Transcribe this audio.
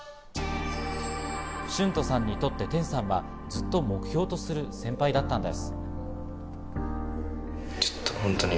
シュントさんにとってテンさんはずっと目標とする先輩だったんです。